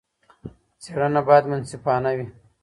څېړنه بايد منصفانه وي.